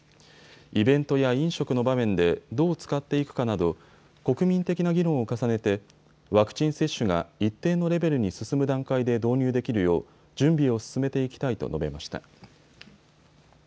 イベントや飲食の場面でどう使っていくかなど国民的な議論を重ねてワクチン接種が一定のレベルに進む段階で導入できるよう準備を進めていきたいと述べました。